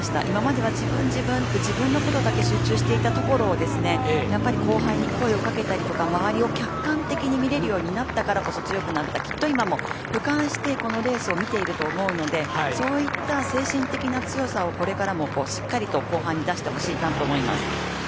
今までは自分自分って自分のことだけ集中していたところをやっぱり後輩に声をかけたりとか周りを客観的に見れるようになったからこそ強くなった、きっと今もふかんしてこのレースを見ていると思うのでそういった精神的な強さをこれからもしっかりと後半に出してほしいなと思います。